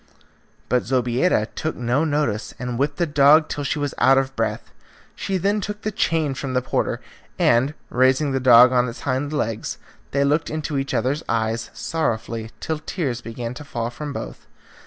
But Zobeida took no notice, and whipped the dog till she was out of breath. She then took the chain from the porter, and, raising the dog on its hind legs, they looked into each other's eyes sorrowfully till tears began to fall from both.